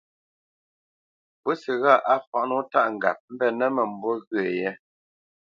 Pǔsi ghâʼ á fǎʼ nǒ tâʼ ŋgap mbenə́ mə̂mbû ghyə̂ yé.